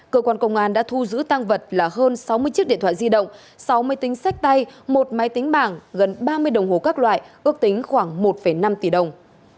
cơ quan công an đã thu giữ tăng vật là hơn sáu mươi chiếc điện thoại di động sáu máy tính sách tay một máy tính bảng gần ba mươi đồng hồ các loại ước tính khoảng một năm tỷ đồng